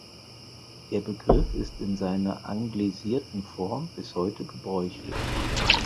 Der Begriff ist in seiner anglisierten Form bis heute gebräuchlich.